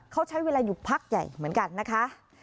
เขาใช้เวลาอยู่พักใหญ่เหมือนกันนะคะ